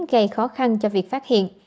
gây khó khăn cho việc phát hiện